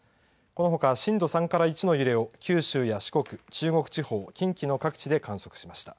このほか、震度３から１の揺れを九州や四国、中国地方、近畿の各地で観測しました。